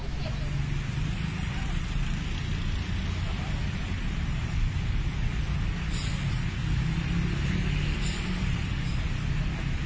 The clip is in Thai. อุ๊ยรับทราบรับทราบ